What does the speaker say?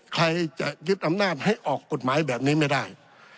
ใครจะยึดอำนาจให้ออกกฎหมายแบบนี้ไม่ได้